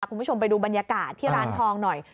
คุณผู้ชมไปดูบรรยากาศที่ร้านทองหน่อย